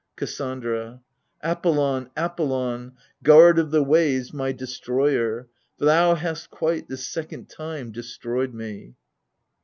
KASSANDRA. Apollon, Apollon, Guard of the ways, my destroyer ! For thou hast quite, this second time, destroyed me.